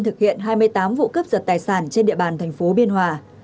thực hiện hai mươi tám vụ cướp giật tài sản trên địa bàn thành phố biên hòa